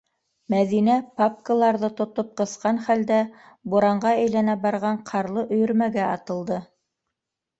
Мәҙинә, папкаларҙы ҡыҫып тотҡан хәлдә, буранға әйләнә барған ҡарлы өйөрмәгә атылды...